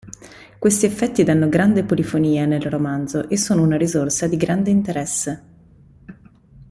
Questi effetti danno grande polifonia nel romanzo e sono una risorsa di grande interesse.